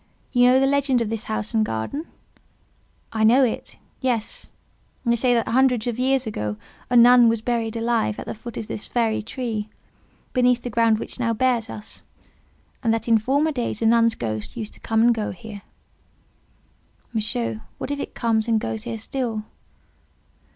You know the legend of this house and garden?" "I know it. Yes. They say that hundreds of years ago a nun was buried here alive at the foot of this very tree, beneath the ground which now bears us." "And that in former days a nun's ghost used to come and go here." "Monsieur, what if it comes and goes here still?"